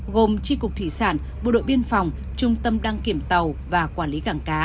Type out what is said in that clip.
gồm tri cục thủy sản bộ đội biên phòng trung tâm đăng kiểm tàu và quản lý cảng cá